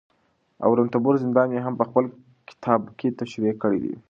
او د رنتبور زندان يې هم په خپل کتابکې تشريح کړى دي